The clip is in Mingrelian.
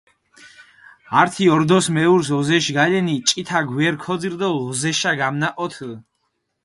ართი ორდოს მეურს ოზეში გალენი, ჭითა გვერი ქოძირჷ დო ოზეშა გამნაჸოთჷ.